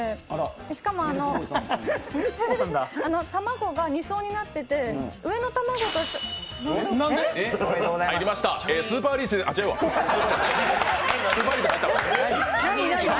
しかも、卵が２層になってて上の卵と入りました、スーパーリーチ違うわ。